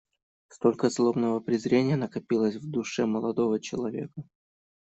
Cтолько злобного презрения накопилось в душе молодого человека.